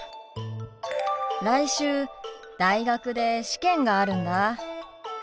来週大学で試験があるんだ。